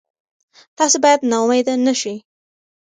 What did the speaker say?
تاسي باید نا امیده نه شئ.